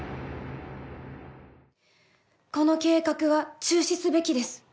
この計画は中止すべきです。